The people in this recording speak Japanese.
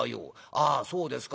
『ああそうですか』